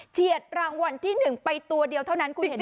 เฉียดรางวัลที่๑ไปตัวเดียวเท่านั้นคุณเห็นมั้ย